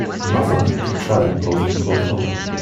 A mother and her child posing for a photo